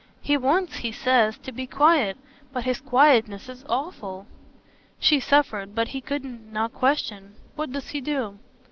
He wants, he says, to be quiet. But his quietness is awful." She suffered, but he couldn't not question. "What does he do?"